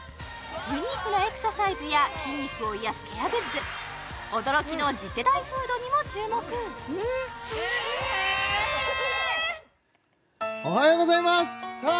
ユニークなエクササイズや筋肉を癒やすケアグッズ驚きの次世代フードにも注目おはようございますさあ